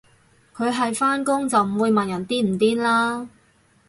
佢係返工就唔會問人癲唔癲啦